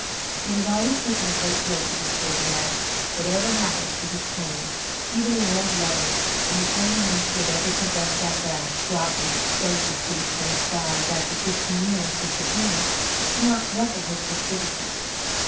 It had always taken a great deal to disturb Mattie. Whatever happened she was calm. Even an old lover, and the only one she had ever possessed at that, dropping, so to speak, from the skies, after fifteen years' disappearance, did not ruffle her placidity.